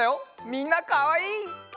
みんなかわいい！